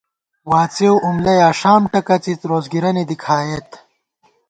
واڅېؤ، اُملہ یا ݭام ٹکَڅِت، روڅگِرَنےدی کھائیت